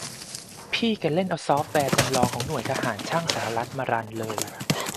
พี่แกเล่นเอาซอฟต์แวร์จำลองของหน่วยทหารช่างสหรัฐมารันเลย